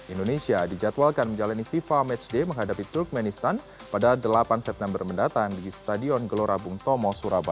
indonesia dijadwalkan menjalani fifa matchday menghadapi turkmenistan pada delapan september mendatang di stadion gelora bung tomo surabaya